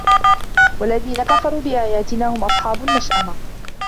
وَالَّذينَ كَفَروا بِآياتِنا هُم أَصحابُ المَشأَمَةِ